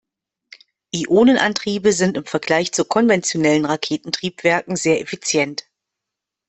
Ionenantriebe sind im Vergleich zu konventionellen Raketentriebwerken sehr effizient.